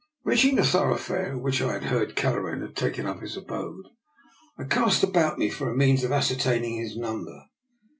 Reaching the thoroughfare in which I had heard Kelleran had taken up his abode, I cast about me for a means of ascertaining his number.